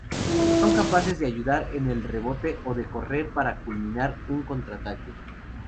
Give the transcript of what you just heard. Son capaces de ayudar en el rebote o de correr para culminar un contraataque.